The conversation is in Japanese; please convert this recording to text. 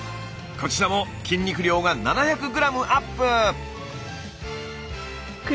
こちらも筋肉量が７００ｇアップ！